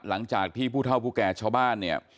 หลังจากที่ผู้เท่าผู้แก่ชาวบ้านเนี่ย